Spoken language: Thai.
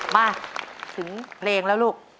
มาถึงเพลงแล้วลูก